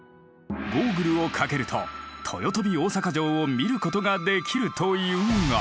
ゴーグルをかけると豊臣大坂城を見ることができるというが。